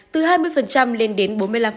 từ hai mươi lên đến bốn mươi năm